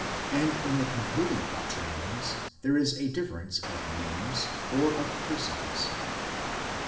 and in the concluding quaternions there is a difference of names or of persons.